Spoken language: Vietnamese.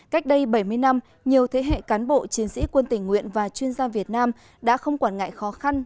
cách đây bảy mươi năm nhiều thế hệ cán bộ chiến sĩ quân tỉnh nguyện và chuyên gia việt nam đã không quản ngại khó khăn